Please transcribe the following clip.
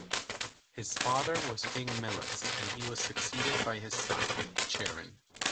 His father was King Millus and he was succeeded by his son, Cherin.